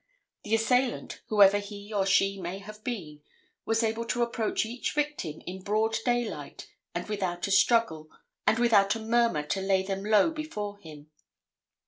The assailant, whoever he or she may have been, was able to approach each victim in broad daylight and without a struggle and without a murmur to lay them low before him.